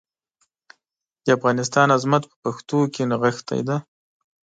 د افغانستان عظمت په پښتنو کې نغښتی دی.